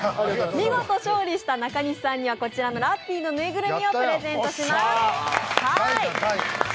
見事勝利した中西さんにはこちらのラッピーの縫いぐるみをプレゼントします。